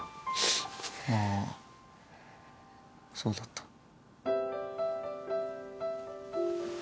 ああそうだった。